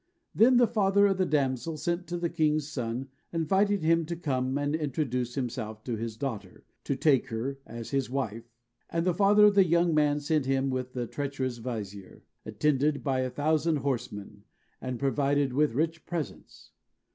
Then the father of the damsel sent to the king's son, inviting him to come and introduce himself to his daughter, to take her as his wife; and the father of the young man sent him with the treacherous vizier, attended by a thousand horsemen, and provided with rich presents.